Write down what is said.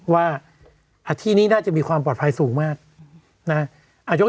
ว่าที่นี่น่าจะมีความปลอดภัยสูงมาก